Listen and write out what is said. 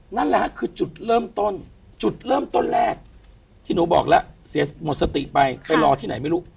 นั่นแหละฮะคือจุดเริ่มต้นจุดเริ่มต้นแรกที่หนูบอกแล้วเสียหมดสติไปไปรอที่ไหนไม่รู้